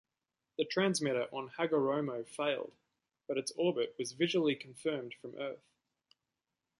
The transmitter on Hagoromo failed, but its orbit was visually confirmed from Earth.